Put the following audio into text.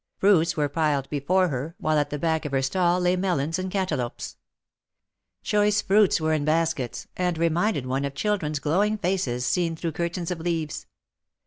Fruits were piled before her, while at the back of her stall lay melons and cantaloupes. Choice fruits were in baskets, and reminded one of children's glowing faces seen through curtains of leaves.